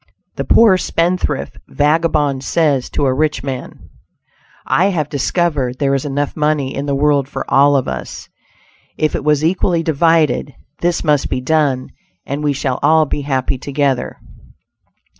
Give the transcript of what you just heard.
The poor spendthrift vagabond says to a rich man: "I have discovered there is enough money in the world for all of us, if it was equally divided; this must be done, and we shall all be happy together."